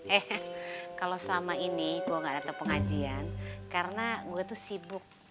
eh kalo selama ini gua gak datang pengajian karena gua tuh sibuk